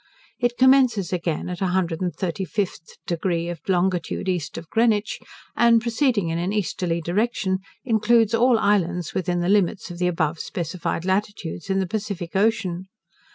It commences again at 135th degree of longitude east of Greenwich, and, proceeding in an easterly direction, includes all islands within the limits of the above specified latitudes in the Pacific Ocean.